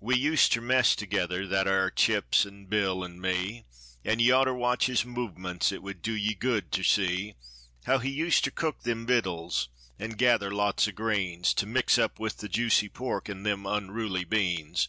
We us'ter mess together, that ar' Chips an' Bill an' me, An' ye oughter watch his movements; it would do ye good ter see How he us'ter cook them wittles, an' gather lots o' greens, To mix up with the juicy pork an' them unruly beans.